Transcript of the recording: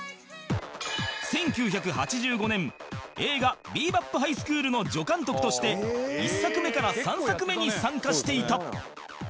１９８５年映画『ビー・バップ・ハイスクール』の助監督として１作目から３作目に参加していた